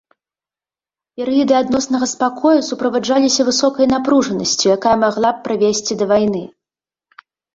Перыяды адноснага спакою суправаджаліся высокай напружанасцю, якая магла б прывесці да вайны.